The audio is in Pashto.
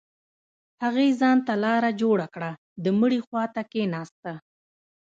هغې ځان ته لاره جوړه كړه د مړي خوا ته كښېناسته.